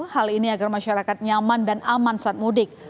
hal ini agar masyarakat nyaman dan aman saat mudik